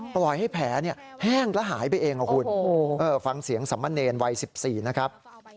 ปล่อยให้แผลแห้งแล้วหายไปเองฟังเสียงสำมะเนญวัย๑๔นะครับ